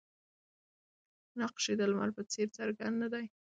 نقش یې د لمر په څېر څرګند نه دی.